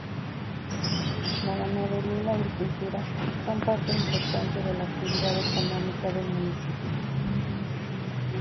La ganadería y la agricultura son parte importante de la actividad económica del municipio.